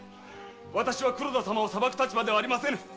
私は黒田様を裁く立場ではありませぬ！